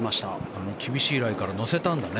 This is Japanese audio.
あの厳しいライから乗せたんだね。